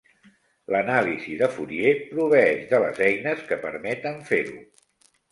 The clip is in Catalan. L'anàlisi de Fourier proveeix de les eines que permeten fer-ho.